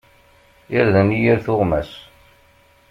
Irden i yir tuɣmas.